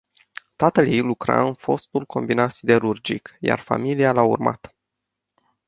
Tatăl ei lucra în fostul combinat siderurgic, iar familia l-a urmat.